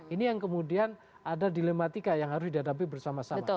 ini yang kemudian ada dilematika yang harus dihadapi bersama sama